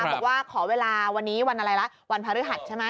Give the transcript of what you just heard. บอกว่าขอเวลาวันนี้วันอะไรละวันพระฤหัสใช่ไหม